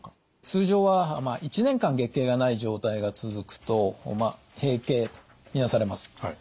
通常は１年間月経がない状態が続くとまあ閉経と見なされます。